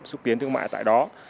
xúc tiến thương mại tại đó